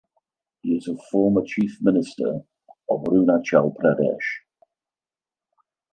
He is a former Chief Minister of Arunachal Pradesh.